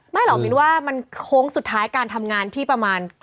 เหรอมินว่ามันโค้งสุดท้ายการทำงานที่ประมาณ